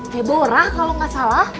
deborah kalau gak salah